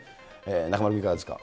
中丸君、いかがですか。